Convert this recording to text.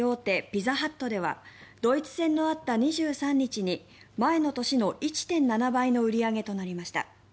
ピザハットではドイツ戦のあった２３日に前の年の１．７倍の売り上げとなりました。